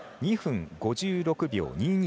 ２分５６秒２２。